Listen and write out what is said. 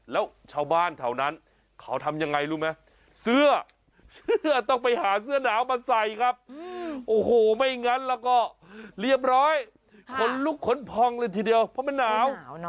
แล้วชาวบ้านแถวนั้นเขาทำยังไงรู้ไหมเสื้อเสื้อต้องไปหาเสื้อหนาวมาใส่ครับโอ้โหไม่งั้นแล้วก็เรียบร้อยขนลุกขนพองเลยทีเดียวเพราะมันหนาว